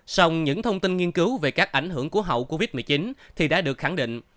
sông những thông tin nghiên cứu về các ảnh hưởng của hậu covid một mươi chín thì đã được khẳng định